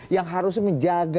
yang harus menjaga